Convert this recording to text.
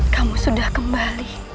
kamu sudah kembali